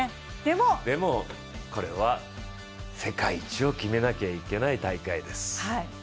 でも、これは世界一を決めなきゃいけない大会です。